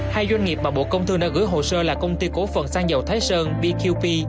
hai doanh nghiệp mà bộ công thương đã gửi hồ sơ là công ty cổ phần sang dầu thái sơn bqp